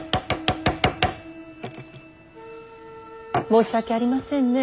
申し訳ありませんね。